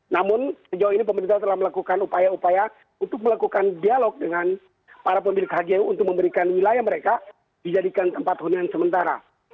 namun sejauh ini pemerintah telah melakukan upaya upaya untuk melakukan dialog dengan para pemilik hgu untuk memberikan wilayah mereka dijadikan tempat hunian sementara